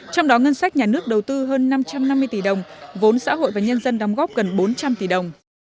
trong đó ngân sách nhà nước đầu tư hơn năm trăm năm mươi tỷ đồng vốn xã hội và nhân dân đóng góp gần bốn trăm linh tỷ đồng